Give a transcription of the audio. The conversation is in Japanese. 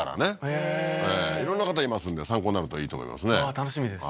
へえー色んな方いますんで参考になるといいと思いますね楽しみです